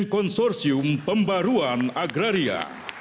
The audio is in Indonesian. dan konsorsium pembaruan agraria